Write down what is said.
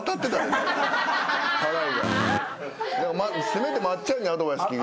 せめて松ちゃんにアドバイス聞きたい。